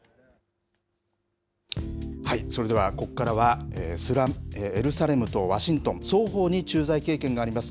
それではここからは、エルサレムとワシントン、双方に駐在経験があります